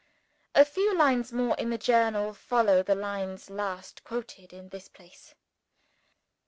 A few lines more in the Journal follow the lines last quoted in this place.